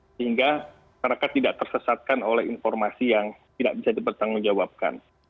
sehingga mereka tidak tersesatkan oleh informasi yang tidak bisa dipertanggung jawabkan